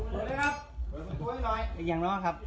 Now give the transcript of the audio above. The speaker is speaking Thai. เกลียดหน่อยครับ